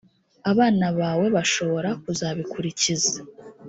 abana bawe bashobora kuzabikurikiza